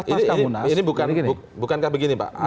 ini bukankah begini pak